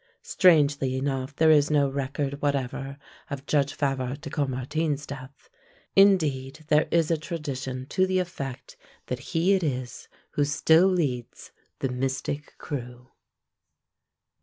Strangely enough there is no record whatever of Judge Favart de Caumartin's death; indeed, there is a tradition to the effect that he it is who still leads the Mystic Krewe.